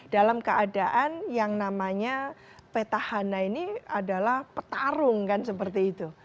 dalam keadaan yang namanya petahana ini adalah petarung kan seperti itu